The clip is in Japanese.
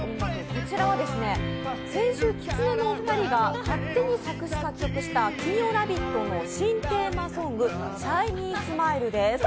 こちらは先週きつねのお二人が勝手に作詞作曲した金曜「ラヴィット！」の新テーマソング「ＳＨＩＮＹＳＭＩＬＥ」です。